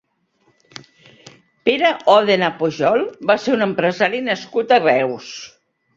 Pere Òdena Pujol va ser un empresari nascut a Reus.